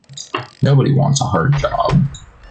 Nobody wants a hard job.